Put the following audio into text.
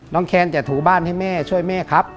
แคนจะถูบ้านให้แม่ช่วยแม่ครับ